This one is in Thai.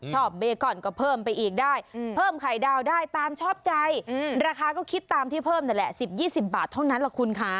เบกอนก็เพิ่มไปอีกได้เพิ่มไข่ดาวได้ตามชอบใจราคาก็คิดตามที่เพิ่มนั่นแหละ๑๐๒๐บาทเท่านั้นแหละคุณค่ะ